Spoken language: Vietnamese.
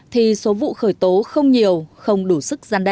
thì số vụ khởi tố không nhiều không đủ sức gian đe